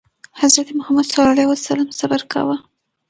حضرت محمد ﷺ صبر کاوه.